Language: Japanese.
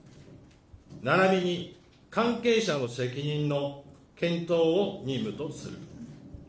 ならびに関係者の責任の検討を任務とする。